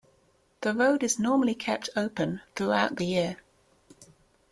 The road is normally kept open throughout the year.